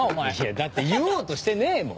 だって言おうとしてねえもん。